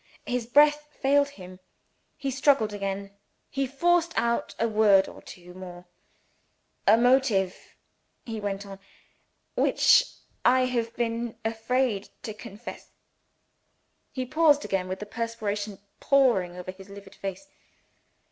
His breath failed him; he struggled again; he forced out a word or two more: "A motive," he went on, "which I have been afraid to confess " he paused again, with the perspiration pouring over his livid face.